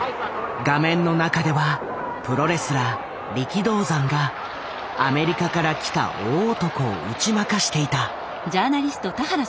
画面の中ではプロレスラー力道山がアメリカから来た大男を打ち負かしていた。